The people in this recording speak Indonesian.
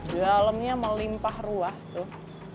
dalemnya melimpah ruah tuh